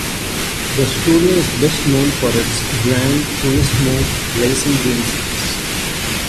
The studio is best known for its "Gran Turismo" racing game series.